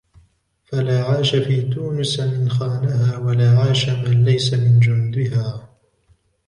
فَلَا عَاشَ فِي تُونِسْ مَنْ خَانَهَا وَلَا عَاشَ مَنْ لَيْسَ مِنْ جُنْدِهَا